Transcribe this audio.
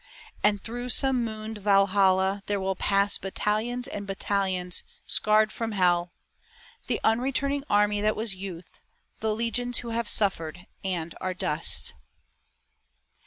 And through some mooned Valhalla there will pass Battalions and battalions, scarred from hell; The unreturning army that was youth; The legions who have suffered and are dust.